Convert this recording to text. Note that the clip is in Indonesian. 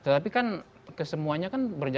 tapi kan kesemuanya kan berbeda